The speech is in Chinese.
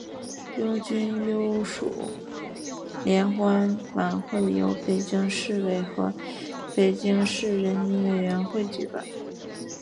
拥军优属联欢晚会由中共北京市委和北京市人民委员会举办。